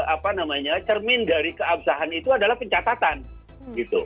apa namanya cermin dari keabsahan itu adalah pencatatan gitu